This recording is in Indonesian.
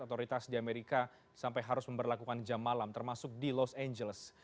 otoritas di amerika sampai harus memperlakukan jam malam termasuk di los angeles